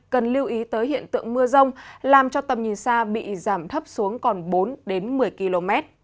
cần lưu ý tới hiện tượng mưa rông làm cho tầm nhìn xa bị giảm thấp xuống còn bốn đến một mươi km